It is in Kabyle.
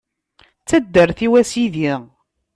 D taddart-iw, a Sidi.